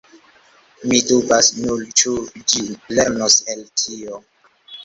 Mi dubas nur, ĉu ĝi lernos el tio.